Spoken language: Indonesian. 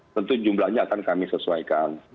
tentu jumlahnya akan kami sesuaikan